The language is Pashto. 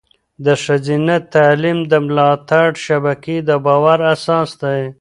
د ښځینه تعلیم د ملاتړ شبکې د باور اساس دی.